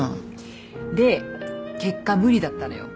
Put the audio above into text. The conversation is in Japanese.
で結果無理だったのよ。